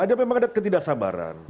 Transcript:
ada memang ada ketidaksabaran